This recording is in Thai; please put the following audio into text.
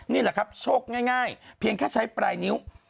นี่แหละครับโชคง่ายเพียงแค่ใช้ปลายนิ้ว